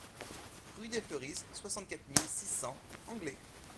Rue des Fleuristes, soixante-quatre mille six cents Anglet